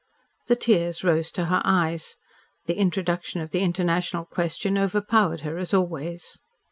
The tears rose to her eyes. The introduction of the international question overpowered her as always.